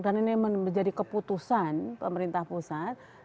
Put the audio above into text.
dan ini menjadi keputusan pemerintah pusat